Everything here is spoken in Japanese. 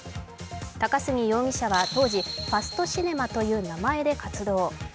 高杉容疑者は当時、ファストシネマという名前で活動。